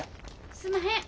すんまへん。